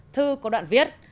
thư có đoạn viết